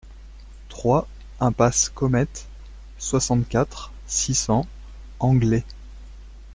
trois impasse Comet, soixante-quatre, six cents, Anglet